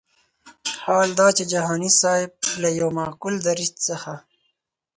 حال دا چې جهاني صاحب له یو معقول دریځ څخه.